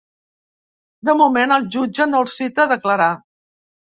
De moment, el jutge no els cita a declarar.